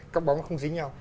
các bóng không dính nhau